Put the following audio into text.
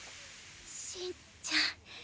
しんちゃん。